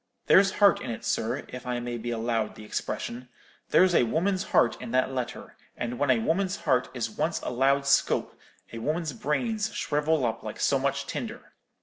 There's heart in it, sir, if I may be allowed the expression: there's a woman's heart in that letter: and when a woman's heart is once allowed scope, a woman's brains shrivel up like so much tinder.